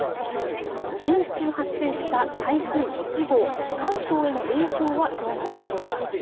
先週発生した台風１号、関東への影響はどうなんでしょうか。